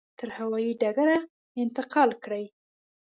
تر هوایي ډګره انتقال کړي.